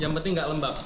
yang penting nggak lembab